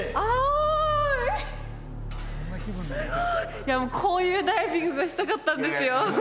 いやこういうダイビングがしたかったんですよ